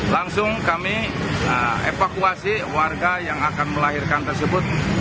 langsung kami evakuasi warga yang akan melahirkan tersebut